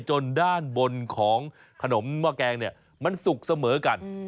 จนด้านบนของขนมหม้อแกงเนี่ยมันสุกเสมอกัน